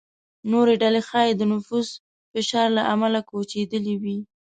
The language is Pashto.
نورې ډلې ښايي د نفوس فشار له امله کوچېدلې وي.